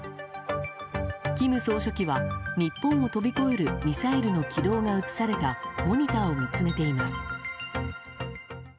金総書記は日本を飛び越えるミサイルの軌道が映されたモニターを見つめています。